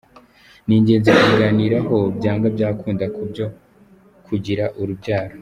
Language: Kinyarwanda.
Ni ingenzi kubiganiraho byanga byakunda kubyo kugira urubyaro.